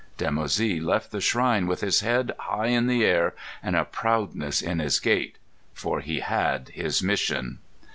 Dimoussi left the shrine with his head high in the air and a proudness in his gait. For he had his mission.